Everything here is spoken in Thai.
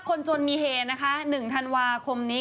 คนจนมีเฮนะคะ๑ธันวาคมนี้